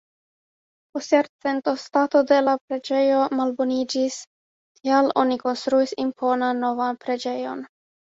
Post jarcento stato de la preĝejo malboniĝis, tial oni konstruis imponan novan preĝejon.